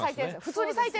普通に最低。